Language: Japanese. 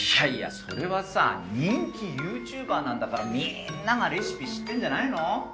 いやいやそれはさ人気ＹｏｕＴｕｂｅｒなんだからみんながレシピ知ってんじゃないの？